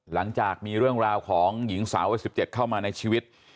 หลังจากมีเรื่องราวของหญิงสาววัย๑๗เข้ามาในชีวิต